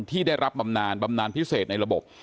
ที่ได้รับบำนานบำนานพิเศษในระบบ